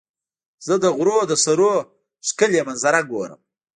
زه د غرونو د سرونو نه ښکلي منظره ګورم.